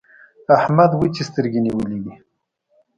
احمد وچې سترګې نيولې دي.